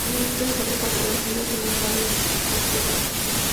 Y esto es algo controvertido según varios sociólogos.